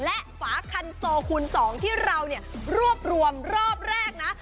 และฝาคันโซคูณ๒ที่เราเนี่ยรวบรวมรอบแรกนะ